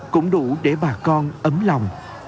cũng đủ để bà con ấm lòng